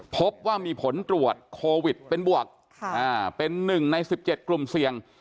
พบว่ามีผลตรวจโควิดเป็นบวกค่ะอ่าเป็นหนึ่งในสิบเจ็ดกลุ่มเสี่ยง